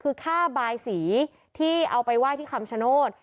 คือค่าบายสีที่เอาไปไหว้ที่คำชโนธ